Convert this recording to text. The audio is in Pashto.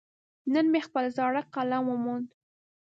نن مې خپل زاړه قلم وموند.